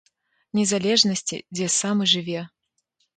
Незалежнасці, дзе сам і жыве.